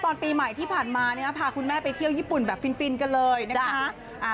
ตอนปีใหม่ที่ผ่านมาเนี่ยพาคุณแม่ไปเที่ยวญี่ปุ่นแบบฟินกันเลยนะคะ